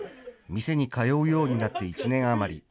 店に通うようになって１年余り。